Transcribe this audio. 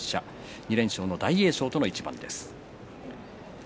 ２連勝の大栄翔との一番です。